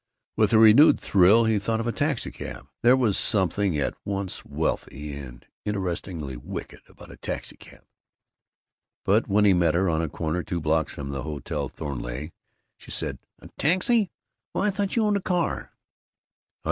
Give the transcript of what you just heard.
With a renewed thrill he thought of a taxicab. There was something at once wealthy and interestingly wicked about a taxicab. But when he met her, on a corner two blocks from the Hotel Thornleigh, she said, "A taxi? Why, I thought you owned a car!" "I do.